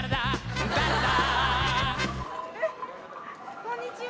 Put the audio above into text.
こんにちは！